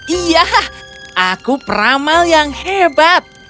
iya aku peramal yang hebat